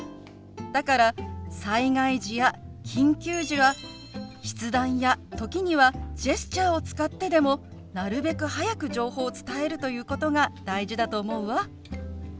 だから災害時や緊急時は筆談や時にはジェスチャーを使ってでもなるべく早く情報を伝えるということが大事だと思うわ。